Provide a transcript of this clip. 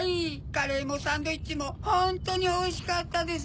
カレーもサンドイッチもホントにおいしかったです！